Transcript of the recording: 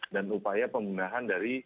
dan upaya pembunuhan dari